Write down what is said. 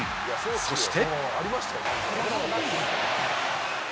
そして。